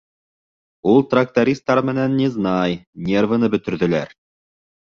Ул трактористар менән незнай, нервыны бөтөрҙөләр.